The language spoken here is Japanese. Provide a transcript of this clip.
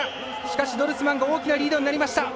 しかし、ドルスマンが大きなリードになりました。